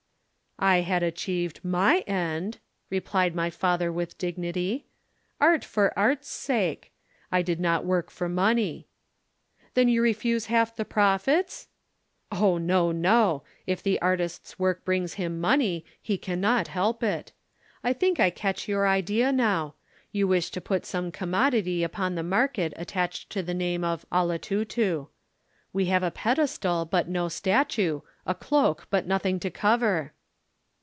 "'"I had achieved my end!" replied my father with dignity. "Art for art's sake I did not work for money." "'"Then you refuse half the profits?" "'"Oh, no, no! If the artist's work brings him money, he cannot help it. I think I catch your idea now. You wish to put some commodity upon the market attached to the name of 'Olotutu.' We have a pedestal but no statue, a cloak but nothing to cover."